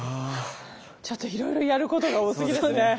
ちょっといろいろやることが多すぎですね。